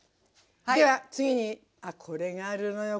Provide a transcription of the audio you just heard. では次にあっこれがあるのよ。